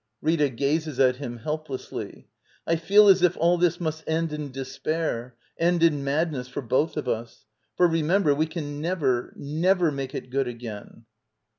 Rita. [Gazes at him helplessly.] I leeLgs if all thi» must'Cad.iiudespair — end in madness for both of us. Foj:, remember, we. can never — never mgke it good again.